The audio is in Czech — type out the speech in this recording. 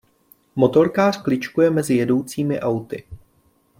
Motorkář kličkuje mezi jedoucími auty.